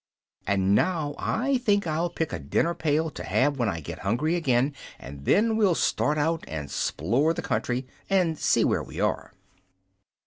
And now I think I'll pick a dinner pail, to have when I get hungry again, and then we'll start out and 'splore the country, and see where we are."